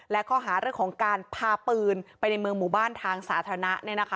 และข้อหาเรื่องของการพาปืนไปในเมืองหมู่บ้านทางสาธารณะ